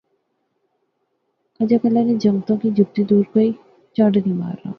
اجا کلا نے جنگُتاں کی جُتی دور کوئی چنڈ نی مارنا